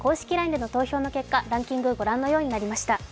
ＬＩＮＥでの投票の結果ランキングご覧のようになりました。